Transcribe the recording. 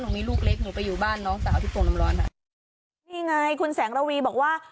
นี่ไงคุณแสงระวีบอกว่า